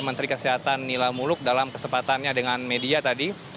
menteri kesehatan nila muluk dalam kesempatannya dengan media tadi